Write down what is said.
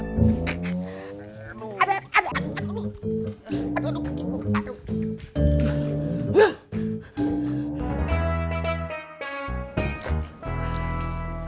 aduh aduh aduh